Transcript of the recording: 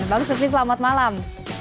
bang sufmi selamat malam